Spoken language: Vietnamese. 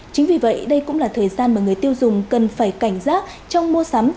chính vì vậy đây cũng là thời gian mà người tiêu dùng cần phải cảnh giác trong mua sắm